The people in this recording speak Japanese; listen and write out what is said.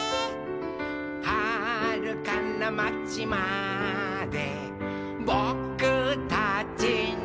「はるかなまちまでぼくたちの」